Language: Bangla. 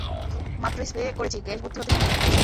মাত্রই স্প্রে করেছি, গ্যাস ভর্তি হতে সময় লাগবে, বুঝেছ?